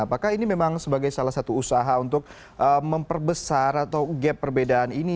apakah ini memang sebagai salah satu usaha untuk memperbesar atau gap perbedaan ini